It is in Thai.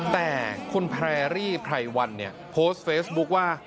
แต่คุณแพรรี่ไพรวันเนี่ยโพสต์เฟซบุ๊คว่า